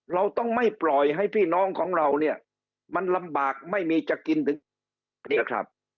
เราต้องไม่ปล่อยให้พี่น้องของเราเนี่ยมันลำบากไม่มีจะกินถึงนี่ครับ